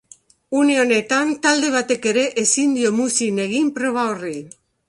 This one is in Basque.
Une honetan, talde batek ere ezin dio muzin egin proba horri.